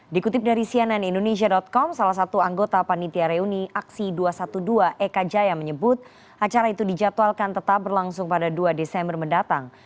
dikutip dari cnn indonesia com salah satu anggota panitia reuni aksi dua ratus dua belas eka jaya menyebut acara itu dijadwalkan tetap berlangsung pada dua desember mendatang